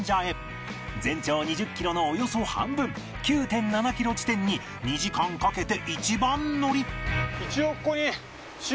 全長２０キロのおよそ半分 ９．７ キロ地点に２時間かけて一番乗り